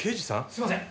すいません。